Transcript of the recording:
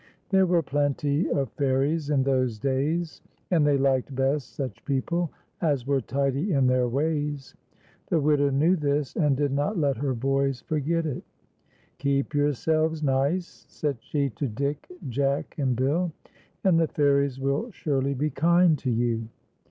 There were plenty of fairies in those daj's, and they liked best such people as were tidy in their ways. The widow knew this and did not let her boys forget it. " Keep )'ourselves nice," said she to Dick, Jack, and Bill, " and the fairies will surely be kind to you."